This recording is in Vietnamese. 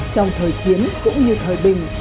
trong thời chiến cũng như thời bình